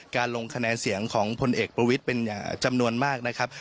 ลงคะแนนเสียงของพลเอกประวิทย์เป็นจำนวนมากนะครับ